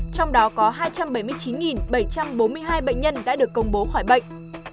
trong đó có hai trăm bảy mươi chín bảy trăm bốn mươi hai bệnh nhân đã được công bố khỏi bệnh